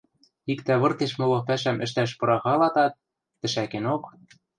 Иктӓ выртеш моло пӓшӓм ӹштӓш пырахалатат, тӹшӓкенок: